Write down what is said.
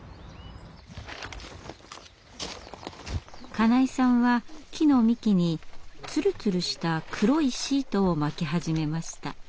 金井さんは木の幹につるつるした黒いシートを巻き始めました。